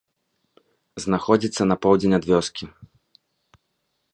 Знаходзіцца на поўдзень ад вёскі.